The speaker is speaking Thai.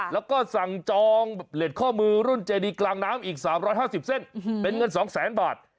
แล้วก็สั่งจองเหล็กข้อมือรุ่นเจดีกลางน้ำอีก๓๕๐เส้นเป็นเงิน๒แสนบาท